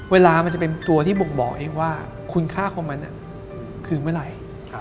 เวลามันจะเป็นตัวที่บ่งบอกเองว่าคุณค่าของมันคือเมื่อไหร่